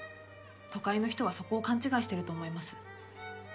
都会の人はそこを勘違いしてると思います。